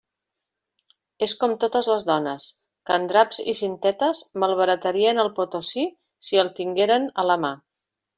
És com totes les dones, que en draps i cintetes malbaratarien el Potosí si el tingueren a la mà.